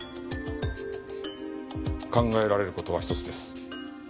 考えられる事は一つです。